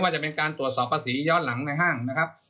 จะเป็นการตรวจสอบภาษีย้อนหลังในห้างนะครับ